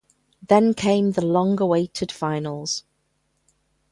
Then came the long-awaited finals.